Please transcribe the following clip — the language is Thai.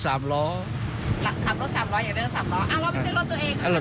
ครับรถ๓ล้ออยากได้รถ๓ล้ออ้ะไม่ใช่รถตัวเองเหรอ